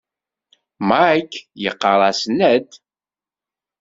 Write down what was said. Mike yeɣɣar-as Ned.